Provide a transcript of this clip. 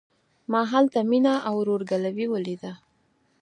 ما هلته مينه او ورور ګلوي وليده.